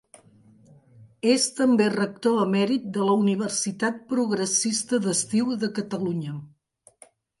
És també rector emèrit de la Universitat Progressista d'Estiu de Catalunya.